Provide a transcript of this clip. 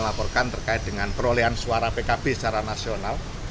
laporkan terkait dengan perolehan suara pkb secara nasional